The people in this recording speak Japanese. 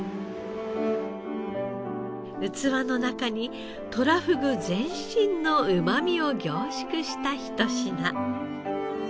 器の中にとらふぐ全身のうまみを凝縮したひと品。